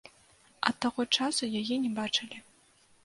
Ад таго часу яе не бачылі.